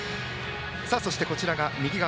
そして、こちらが右側。